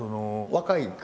若い。